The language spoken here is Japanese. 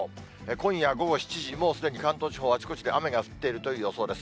今夜午後７時、もうすでに関東地方、あちこちで雨が降っているという予想です。